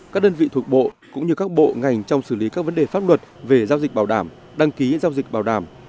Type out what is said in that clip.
các đơn vị thuộc bộ cũng như các bộ ngành trong xử lý các vấn đề pháp luật về giao dịch bảo đảm đăng ký giao dịch bảo đảm